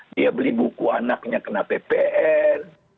dia beli buku anaknya kena ppr